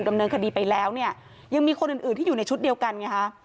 ดำเนินคดีไปแล้วเนี่ยยังมีคนอื่นอื่นที่อยู่ในชุดเดียวกันไงฮะ